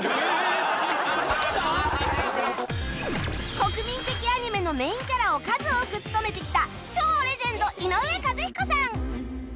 国民的アニメのメインキャラを数多く務めてきた超レジェンド井上和彦さん